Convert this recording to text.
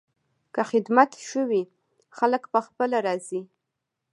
که خدمت ښه وي، خلک پخپله راځي.